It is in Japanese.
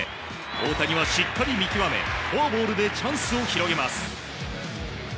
大谷はしっかり見極めフォアボールでチャンスを広げます。